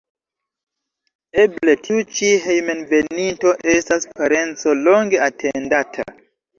Eble tiu ĉi hejmenveninto estas parenco longe atendata.